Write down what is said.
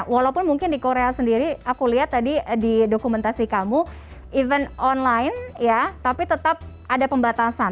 walaupun mungkin di korea sendiri aku lihat tadi di dokumentasi kamu event online ya tapi tetap ada pembatasan